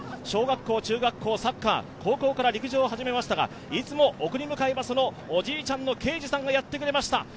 小学校、中学校はサッカー、高校から陸上を始めましたが、いつも送り迎えはおじいちゃんがやってくれました。